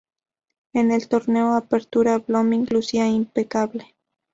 En el Torneo Apertura, Blooming lucía impecable.